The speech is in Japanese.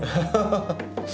ハハハッ。